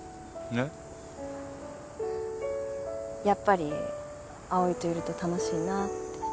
やっぱり葵といると楽しいなって。